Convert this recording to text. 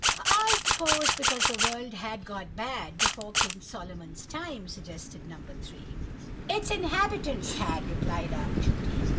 "I suppose because the world had got bad, before King Solomon's time," suggested No. 3. "Its inhabitants had," replied Aunt Judy.